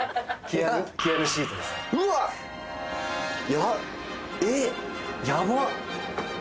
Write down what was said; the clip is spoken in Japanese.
やっえっやばっ